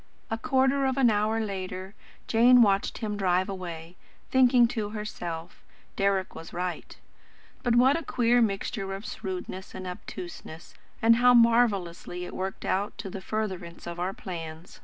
A quarter of an hour later, Jane watched him drive away, thinking to herself: "Deryck was right. But what a queer mixture of shrewdness and obtuseness, and how marvellously it worked out to the furtherance of our plans."